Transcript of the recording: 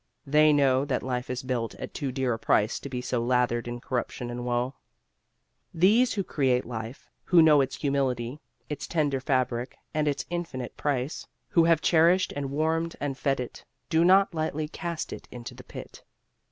They know that life is built at too dear a price to be so lathered in corruption and woe. Those who create life, who know its humility, its tender fabric and its infinite price, who have cherished and warmed and fed it, do not lightly cast it into the pit.